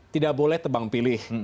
tidak boleh tebang pilih